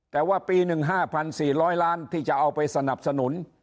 แต่ว่าปี๑๕๔๐๐ล้านที่จะเอาไปสนับสนุน